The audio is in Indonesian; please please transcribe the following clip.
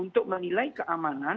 untuk menilai keamanan